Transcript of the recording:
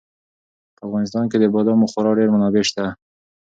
په افغانستان کې د بادامو خورا ډېرې منابع شته دي.